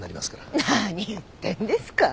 何言ってんですか。